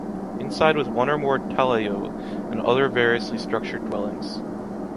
Inside was one or more talayots and other variously structured dwellings.